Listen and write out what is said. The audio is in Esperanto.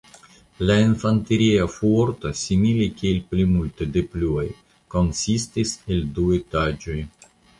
La infanteria fuorto simile kiel plimulto de pluaj konsistis el du etaĝoj.